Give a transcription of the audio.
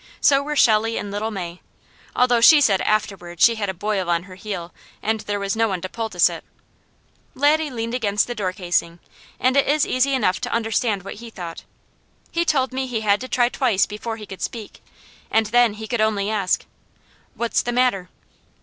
So were Shelley and little May, although she said afterward she had a boil on her heel and there was no one to poultice it. Laddie leaned against the door casing, and it is easy enough to understand what he thought. He told me he had to try twice before he could speak, and then he could only ask: "What's the matter?"